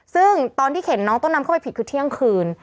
ซึ่งตอนที่เข็นน้องต้นนำเข้าไปผิดคือเที่ยงคืน